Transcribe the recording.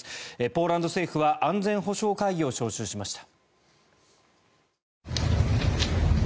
ポーランド政府は安全保障会議を招集しました。